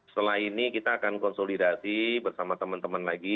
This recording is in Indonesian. setelah ini kita akan konsolidasi bersama teman teman lagi